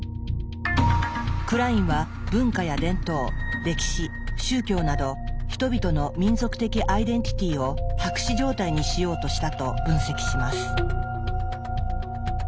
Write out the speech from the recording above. クラインは文化や伝統歴史宗教など人々の民族的アイデンティティーを白紙状態にしようとしたと分析します。